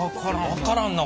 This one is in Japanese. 分からんな